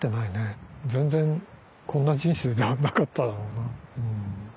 全然こんな人生ではなかっただろうな。